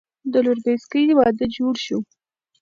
د لور بسکي وادۀ جوړ شو